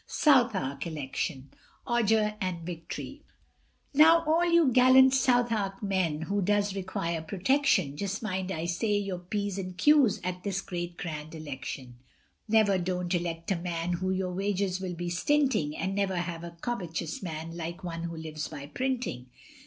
SOUTHWARK ELECTION. ODGER AND VICTORY. Now all you gallant Southwark men, Who does require protection, Just mind I say, your p's and q's At this Great Grand Election; Never don't elect a man Who your wages will be stinting, And never have a covetuous man Like one who lives by printing.